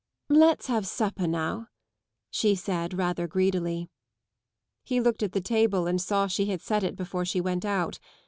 " Let's have supper now! " she said rather greedily. He looked at the table and saw she had set it before she went out.